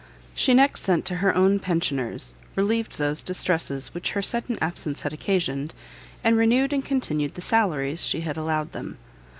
She next sent to her own pensioners, relieved those distresses which her sudden absence had occasioned, and renewed and continued the salaries she had allowed them.